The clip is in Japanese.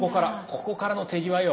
ここからの手際よ。